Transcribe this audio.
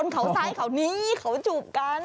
ใครจูบกัน